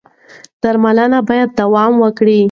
درملنه به دوام وکړي.